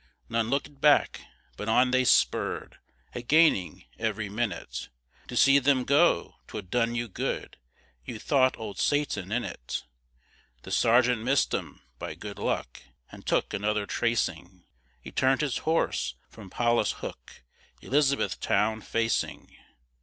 None lookèd back, but on they spurr'd, A gaining every minute. To see them go, 'twould done you good, You'd thought old Satan in it. The sergeant miss'd 'em, by good luck, And took another tracing, He turn'd his horse from Paulus Hook, Elizabethtown facing.